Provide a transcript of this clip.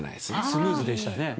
スムーズでしたね。